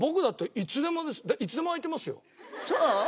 いつでも空いてますよ。